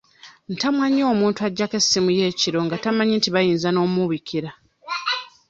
Ntamwa nnyo omuntu aggyako essimu ye ekiro nga tamanyi nti bayinza n'ommubikira.